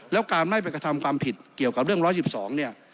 แล้วการไม่ไปกระทำความผิดเกี่ยวกับเรื่อง๑๑๒เนี่ย